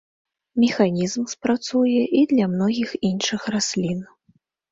Механізм спрацуе і для многіх іншых раслін.